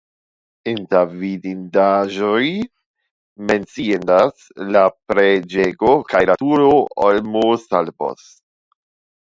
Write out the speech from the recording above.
Inter vidindaĵoj menciindas la preĝejo kaj la turo de Olmosalbos.